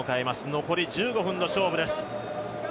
残り１５分の勝負です。